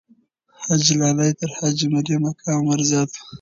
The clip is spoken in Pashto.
حاجي لالی تر حاجي مریم اکا عمر زیات وو.